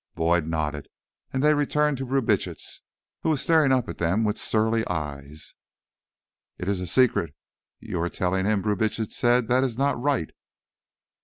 Boyd nodded, and they returned to Brubitsch, who was staring up at them with surly eyes. "It is a secret you are telling him," Brubitsch said. "That is not right."